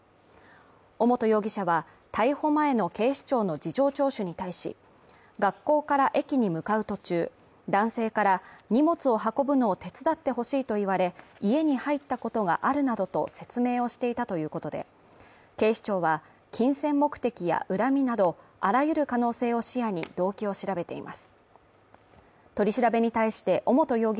尾本容疑者は逮捕前の警視庁の事情聴取に対し学校から駅に向かう途中、男性から荷物を運ぶのを手伝って欲しいと言われ家に入ったことがあるなどと説明をしていたということで、警視庁は金銭目的や恨みなど、あらゆる可能性を視野に動機を調べています。